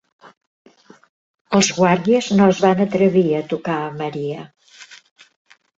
Els guàrdies no es van atrevir a tocar a Maria.